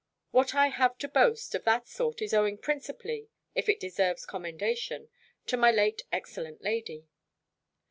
What I have to boast, of that sort, is owing principally, if it deserves commendation, to my late excellent lady.